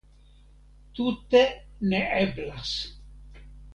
Tute neeblas.